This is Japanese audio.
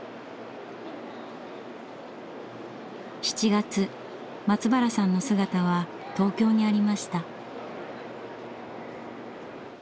７月松原さんの姿は東京にありました。